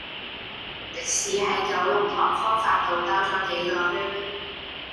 的士喺九龍塘科發道兜左幾個圈